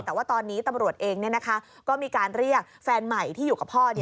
แต่ว่าตอนนี้ตำรวจเองก็มีการเรียกแฟนใหม่ที่อยู่กับพ่อ